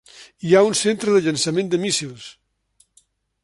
Hi ha un centre de llançament de míssils.